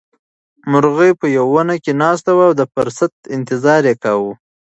مرغۍ په یوه ونه کې ناسته وه او د فرصت انتظار یې کاوه.